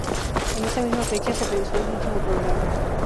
En esa misma fecha, se realizó el último programa.